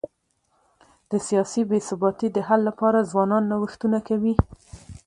د سیاسي بي ثباتی د حل لپاره ځوانان نوښتونه کوي.